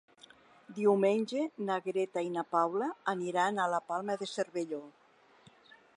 Diumenge na Greta i na Paula aniran a la Palma de Cervelló.